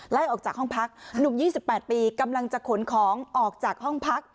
ไล่ออกจากห้องพักหนุ่ม๒๘ปีกำลังจะขนของออกจากห้องพัก